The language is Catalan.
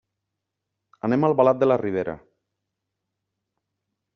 Anem a Albalat de la Ribera.